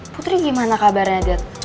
putri gimana kabarnya dad